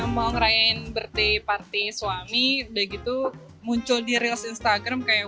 mau ngerayain birthday party suami begitu muncul di real instagram kayak